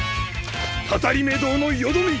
たたりめ堂のよどみ！